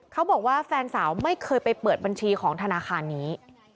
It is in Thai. เขาบอกว่าแฟนสาวไม่เคยไปเปิดบัญชีของธนาคารนี้